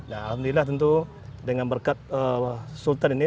alhamdulillah tentu dengan berkat sultan ini